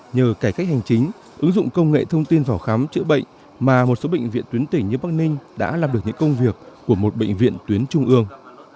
nhờ cải cách hành chính ứng dụng công nghệ thông tin vào khám chữa bệnh mà một số bệnh viện tuyến tỉnh như bắc ninh đã làm được những công việc của một bệnh viện tuyến trung ương